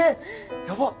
やばっ！